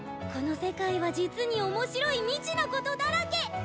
この世界は実におもしろい未知のことだらけ！